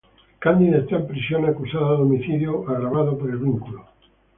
Cándida está en prisión, acusada de homicidio agravado por el vínculo.